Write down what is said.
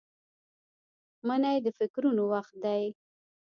منی د فکرونو وخت دی